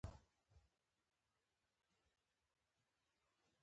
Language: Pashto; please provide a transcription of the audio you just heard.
او دواړو ته منګي پراتۀ دي